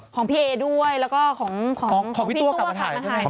ของพี่เอด้วยแล้วก็ของพี่ตัวกลับมาถ่ายด้วย